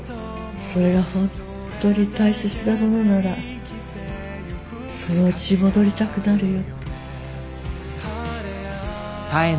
それが本当に大切なものならそのうち戻りたくなるよ。